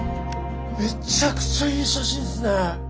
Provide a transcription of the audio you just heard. めちゃくちゃいい写真っすね。